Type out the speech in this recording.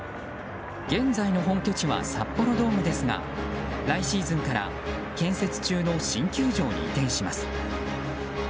現在の本拠地は札幌ドームですが来シーズンから建設中の新球場に移転します。